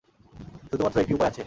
শুধুমাত্র একটি উপায় আছে।